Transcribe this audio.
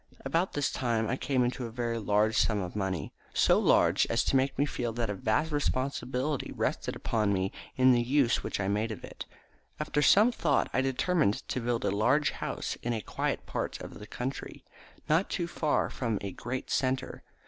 At about this time I came into a very large sum of money, so large as to make me feel that a vast responsibility rested upon me in the use which I made of it. After some thought I determined to build a large house in a quiet part of the country, not too far from a great centre.